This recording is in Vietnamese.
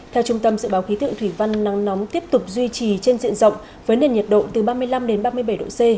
theo trung tâm dự báo khí tượng thủy văn nắng nóng tiếp tục duy trì trên diện rộng với nền nhiệt độ từ ba mươi năm ba mươi bảy độ c